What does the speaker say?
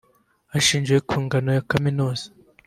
hashingiwe ku ngano ya Kaminuza